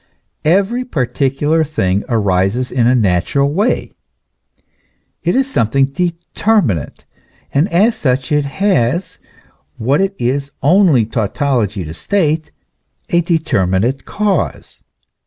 Every particular thing arises in a natural way ; it is something determinate, and as such it has what it is only tautology to state a determinate cause.